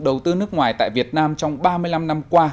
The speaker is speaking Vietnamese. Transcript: đầu tư nước ngoài tại việt nam trong ba mươi năm năm qua